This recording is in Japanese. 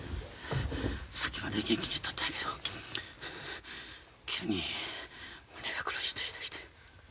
さっきまで元気にしとったんやけど急に胸が苦しいと言いだして。